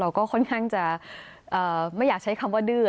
ค่อนข้างจะไม่อยากใช้คำว่าดื้อ